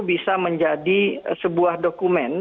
bisa menjadi sebuah dokumen